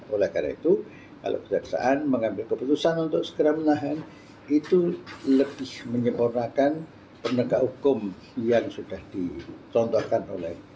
oleh karena itu kalau kejaksaan mengambil keputusan untuk segera menahan itu lebih menyempurnakan penegak hukum yang sudah dicontohkan oleh